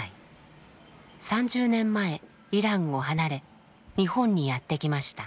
３０年前イランを離れ日本にやって来ました。